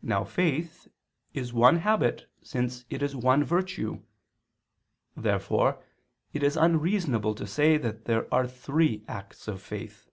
Now faith is one habit since it is one virtue. Therefore it is unreasonable to say that there are three acts of faith.